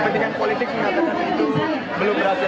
kepentingan politik mengatakan itu belum berhasil